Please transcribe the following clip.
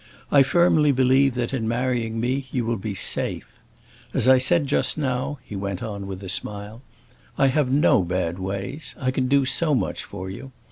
I firmly believe that in marrying me you will be safe. As I said just now," he went on with a smile, "I have no bad ways. I can do so much for you.